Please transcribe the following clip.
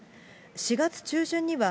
４月中旬には、